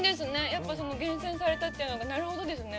やっぱ厳選されたというのがなるほどですね。